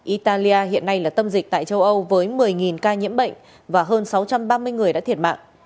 italia hiện nay là tâm dịch tại châu âu với một mươi ca nhiễm bệnh và hơn sáu trăm ba mươi người đã thiệt mạng